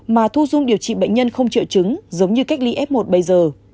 mà thu dung điều trị bệnh nhân không triệu chứng giống như cách ly f một bây giờ